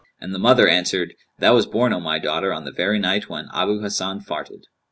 And the mother answered, "Thou was born, O my daughter, on the very night when Abu Hasan farted."